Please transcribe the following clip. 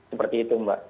seperti itu mbak